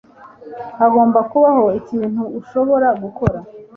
Hagomba kubaho ikintu ushobora gukora.